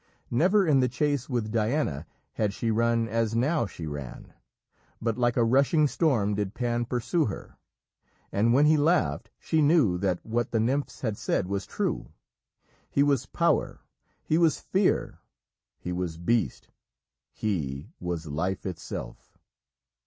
Never in the chase with Diana had she run as now she ran. But like a rushing storm did Pan pursue her, and when he laughed she knew that what the nymphs had said was true he was Power he was Fear he was Beast he was Life itself.